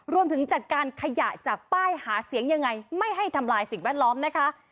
รวมถึงจัดการขยะจากป้ายหาเสียงยังไงไม่ให้ทำลายสิ่งแวดล้อมนะคะ